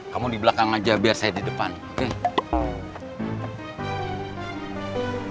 kamu di belakang aja biar saya di depan